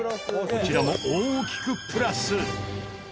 こちらも大きくプラス。